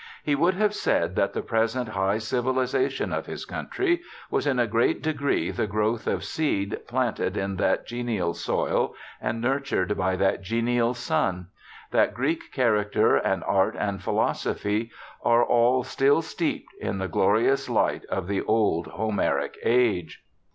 He would have said that the present high civilization of his country was in a great degree the growth of seed planted in that genial soil, and nurtured by that genial sun ; that Greek character, and art, and philo sophy, are all still steeped in the glorious light of the old Homeric age.